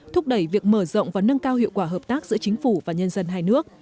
thúc đẩy việc mở rộng và nâng cao hiệu quả hợp tác giữa chính phủ và nhân dân hai nước